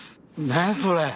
何やそれ？